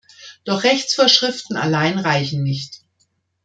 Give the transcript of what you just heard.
Doch Rechtsvorschriften allein reichen nicht.